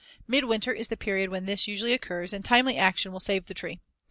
Midwinter is the period when this usually occurs and timely action will save the tree.